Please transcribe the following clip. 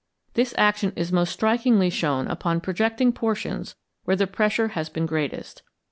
This action is most strikingly shown upon projecting portions where the pressure has been greatest.